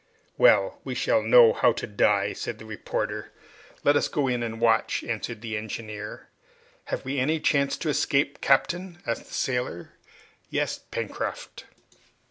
"Well, we shall know how to die!" said the reporter. "Let us go in and watch," answered the engineer. "Have we any chance of escape, captain?" asked the sailor. "Yes, Pencroft."